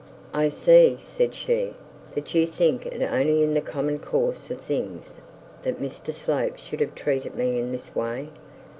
'I see,' said she, 'that you think it only the common course of things that Mr Slope should have treated me in this way.'